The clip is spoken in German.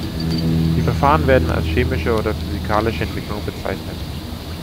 Die Verfahren werden als chemische oder physikalische Entwicklung bezeichnet.